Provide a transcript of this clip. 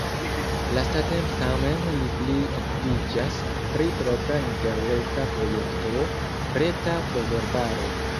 Lastatempe tamen li pli okupiĝas pri propra interreta projekto: reta proverbaro.